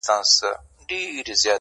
ولي سیوری اچولی خوب د پېغلي پر ورنونه-